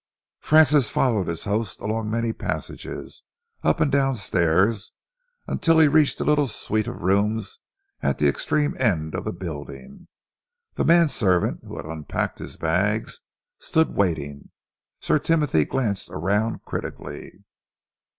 Francis followed his host along many passages, up and down stairs, until he reached a little suite of rooms at the extreme end of the building. The man servant who had unpacked his bag stood waiting. Sir Timothy glanced around critically.